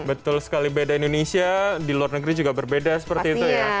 betul sekali beda indonesia di luar negeri juga berbeda seperti itu ya